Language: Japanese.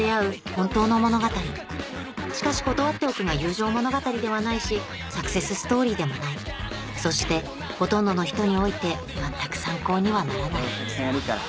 本当の物語しかし断っておくが友情物語ではないしサクセスストーリーでもないそしてほとんどの人において全く参考にはならない俺お客さんやるから。